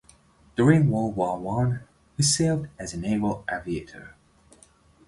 During World War One, he served as a naval aviator.